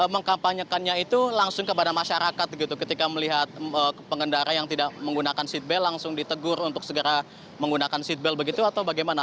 mengkampanyekannya itu langsung kepada masyarakat ketika melihat pengendara yang tidak menggunakan seatbelt langsung ditegur untuk segera menggunakan seatbelt begitu atau bagaimana